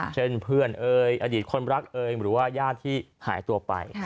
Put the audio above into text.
เช่นเพื่อนเอ่ยอดีตคนรักเอยหรือว่าญาติที่หายตัวไป